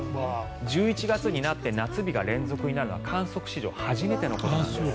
１１月になって夏日が連続になるのは観測史上初めてのことなんです。